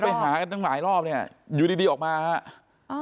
ไม่เป็นหาก็ตั้งหลายรอบเนี่ยอยู่ดีออกมาครับ